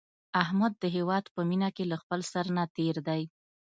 احمد د هیواد په مینه کې له خپل سر نه تېر دی.